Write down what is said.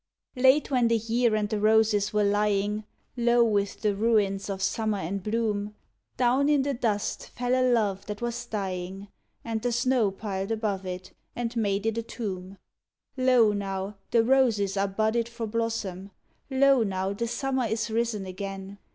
Late, when the year and the roses were lying Low with the ruins of Summer and bloom, Down in the dust fell a love that was dying, And the snow piled above it, and made it a tomb. Lo! now! the roses are budded for blossom Lo! now! the Summer is risen again.